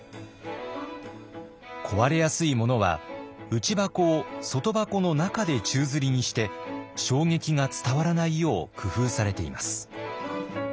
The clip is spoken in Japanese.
壊れやすいものは内箱を外箱の中で宙づりにして衝撃が伝わらないよう工夫されています。